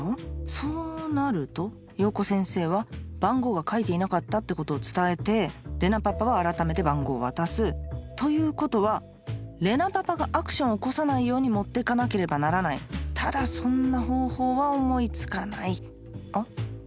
そうなると洋子先生は番号が書いていなかったってことを伝えて玲奈パパは改めて番号を渡すということは玲奈パパがアクションを起こさないように持っていかなければならないただそんな方法は思い付かないあ？